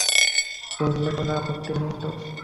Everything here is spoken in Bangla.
করলে কোনো আপত্তি নেই তো?